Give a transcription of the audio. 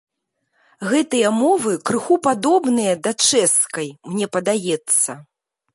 Гэтыя мовы крыху падобныя да чэшскай, мне падаецца.